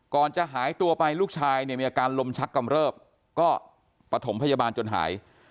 ก่อนจะหายตัวไปลูกชายเนี่ยมีอาการลมชักกำเริบก็ปฐมพยาบาลจนหาย